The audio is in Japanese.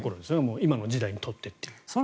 今の時代にとってと。